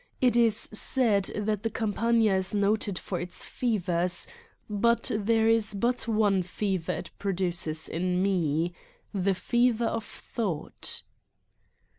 It is said that the Campagna is noted for its fevers, but there is but one fever it produces in me the fever of thought